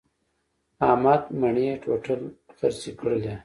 احمد مڼې ټوټل خرڅې کړلې.